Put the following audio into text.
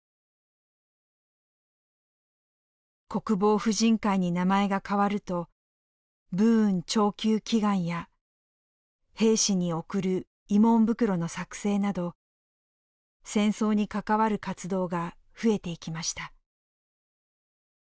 国防婦人会に名前が変わると武運長久祈願や兵士に送る慰問袋の作製など戦争に関わる活動が増えていきました。